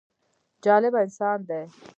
جالبه انسان دی.